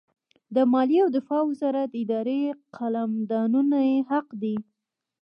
د مالیې او دفاع وزارت اداري قلمدانونه یې حق دي.